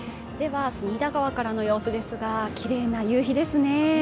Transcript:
隅田川からの様子ですが、きれいな夕日ですね。